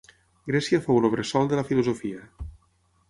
Grècia fou el bressol de la filosofia.